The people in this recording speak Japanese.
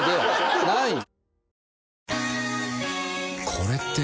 これって。